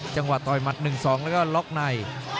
จังหวะต่อยหมัด๑๒แล้วก็ล็อกใน